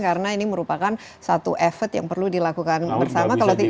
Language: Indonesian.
karena ini merupakan satu effort yang perlu dilakukan bersama